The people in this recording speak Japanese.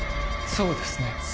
「そうですね」